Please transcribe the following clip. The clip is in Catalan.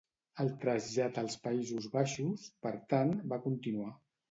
El trasllat als Països Baixos, per tant, va continuar.